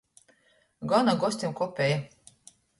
Gona gostim kopeja.